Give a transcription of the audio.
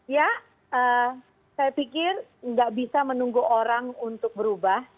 ya saya pikir nggak bisa menunggu orang untuk berubah